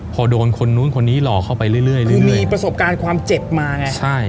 พอโดนคนนู้นคนนี้หลอกเข้าไปเรื่อยเลยคือมีประสบการณ์ความเจ็บมาไงใช่